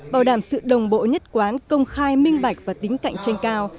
bảo đảm sự đồng bộ nhất quán công khai minh bạch và tính cạnh tranh cao